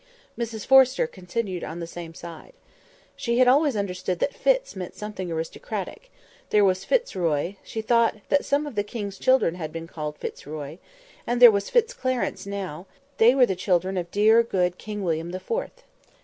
Mrs Forrester continued on the same side. "She had always understood that Fitz meant something aristocratic; there was Fitz Roy—she thought that some of the King's children had been called Fitz Roy; and there was Fitz Clarence, now—they were the children of dear good King William the Fourth.